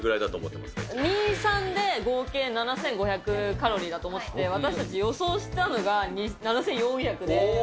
２、３で、合計７５００カロリーだと思っていて、私たち予想したのが７４００で。